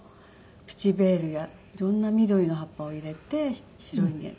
プチベールや色んな緑の葉っぱを入れて白インゲン。